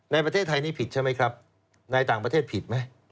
ในประเทศไทยนี่ผิดใช่ไหมครับในต่างประเทศผิดไหม